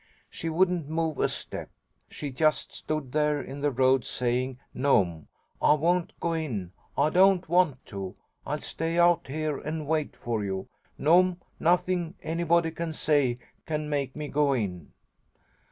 She wouldn't move a step. She just stood there in the road, saying, 'No'm, I won't go in. I don't want to. I'll stay out here and wait for you. No'm, nothing anybody can say can make me go in.'